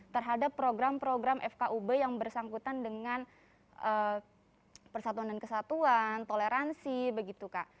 terhadap program program fkub yang bersangkutan dengan persatuan dan kesatuan toleransi begitu kak